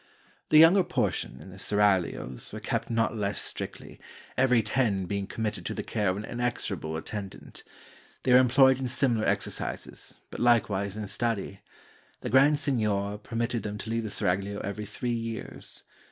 The younger portion, in the seraglios, were kept not less strictly, every ten being committed to the care of an inexorable attendant. They were employed in similar exercises, but likewise in study. The grand seignior per mitted them to leave the seraglio every three years.